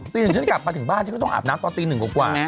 ตี๑ฉันจะอยากอาบมาถึงบ้านฉันก็ต้องอาบนักตอนตี๑กว่า